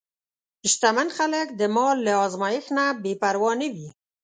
شتمن خلک د مال له ازمېښت نه بېپروا نه وي.